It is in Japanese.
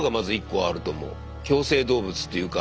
共生動物というか。